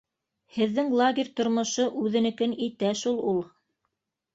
Һеҙҙең лагерь тормошо үҙенекен итә шул ул